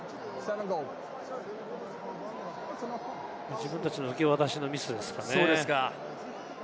自分たちの受け渡しのミスですかね。